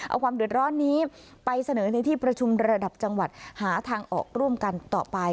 เอาความเดือดร้อนนี้ไปเสนอในที่ประชุมระดับจังหวัดหาทางออกร่วมกันต่อไป